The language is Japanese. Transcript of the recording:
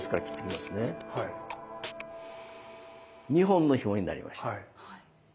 ２本のひもになりました。